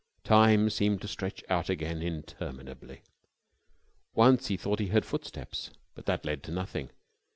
Time seemed to stretch out again interminably. Once he thought he heard foot steps, but that led to nothing.